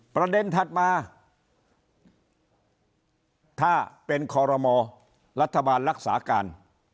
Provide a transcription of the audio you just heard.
ถัดมาถ้าเป็นคอรมอรัฐบาลรักษาการ